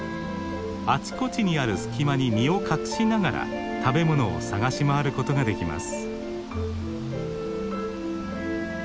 あちこちにある隙間に身を隠しながら食べ物を探し回ることができます。